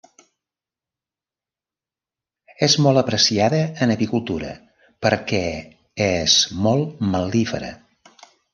És molt apreciada en apicultura perquè és molt mel·lífera.